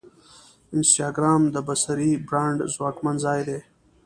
انسټاګرام د بصري برانډ ځواکمن ځای دی.